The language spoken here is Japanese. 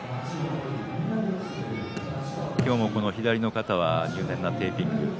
今日も左の肩は入念なテーピング。